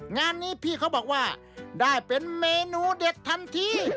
งานนี้พี่เขาบอกว่าได้เป็นเมนูเด็ดทันที